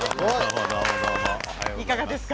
いかがですか？